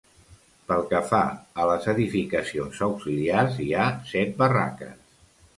Pel que fa a les edificacions auxiliars, hi ha set barraques.